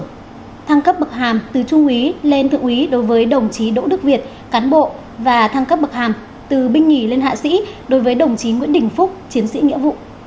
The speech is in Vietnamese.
theo đó bộ trưởng quyết định thăng cấp bậc hàm từ trung tá lên thượng tá đối với đồng chí đỗ đức việt cán bộ và thăng cấp bậc hàm từ binh nghỉ lên hạ sĩ đối với đồng chí nguyễn đình phúc chiến sĩ nghĩa vụ